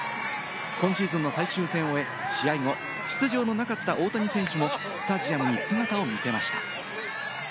今シーズンの最終戦を試合後、出場のなかった大谷選手もスタジアムに姿を見せました。